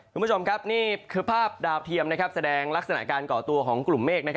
คุณผู้ชมครับนี่คือภาพดาวเทียมแสดงลักษณะการก่อตัวของกลุ่มเมฆ